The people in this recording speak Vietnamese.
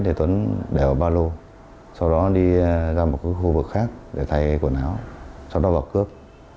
để tuấn đè vào ba lô sau đó đi ra một khu vực khác để thay quần áo sau đó vào cướp